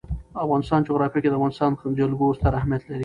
د افغانستان جغرافیه کې د افغانستان جلکو ستر اهمیت لري.